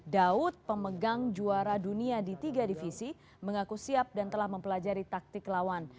daud pemegang juara dunia di tiga divisi mengaku siap dan telah mempelajari taktik lawan